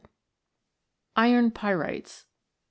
Iron Pyrites.